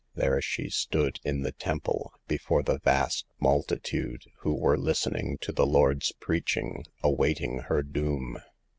There she stood in the Temple, before the vast multitude who were listening to the Lord's preaching, awaiting her doom.